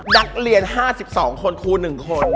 นักเรียน๕๒คนครู๑คน